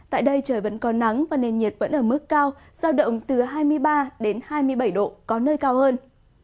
tại đây trời vẫn có nắng và nền nhiệt vẫn ở mức cao giao động từ hai mươi ba đến hai mươi bảy độ có nơi cao hơn